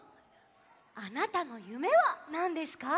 あなたのゆめはなんですか？